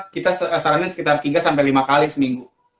kita sarannya sekitar tiga sampai lima kali seminggu